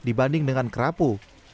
dibanding dengan kerapu